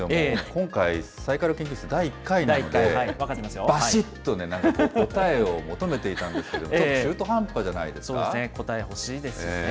今回、サイカル研究室第１回なので、ばしっとね、答えを求めていたんですけれども、ちょっと中途半端じそうですね、答え欲しいですね。